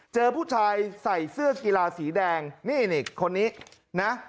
เจอผู้ชายใส่เสื้อกีฬาสีแดงนี่นี่คนนี้นะ